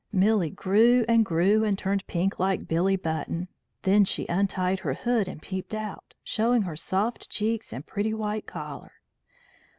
Milly grew and grew and turned pink like Billy Button. Then she untied her hood and peeped out, showing her soft cheeks and pretty white collar.